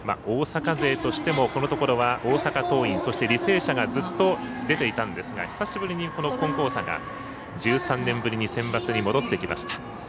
大阪勢としてもこのところは大阪桐蔭そして履正社がずっと出ていたんですが久しぶりに金光大阪１３年ぶりにセンバツに戻ってきました。